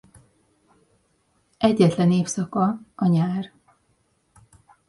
Egyetlen évszaka a nyár.